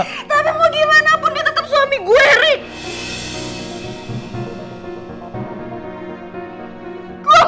tapi mau gimana pun dia tetap suami gue rick